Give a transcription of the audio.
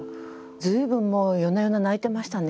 随分もう夜な夜な泣いていましたね